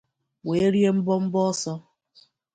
wee rie mbọmbọ ọsọ